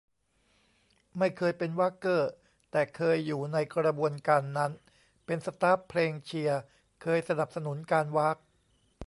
ไม่เคยเป็นว๊ากเกอร์ แต่เคยอยู่ในกระบวนการนั้น เป็นสต๊าฟเพลงเชียร์ เคยสนับสนุนการว๊าก